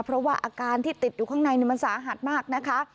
เพราะว่าอาการที่ติดอยู่ข้างในมันสาหัสมากนะคะ